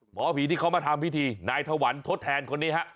หมอผีที่เขามาทำพิธีนายถวันทดแทนคนนี้ฮะ